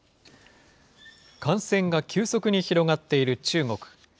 感染が急速に広がっている中国。